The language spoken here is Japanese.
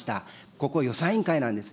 ここ、予算委員会なんです。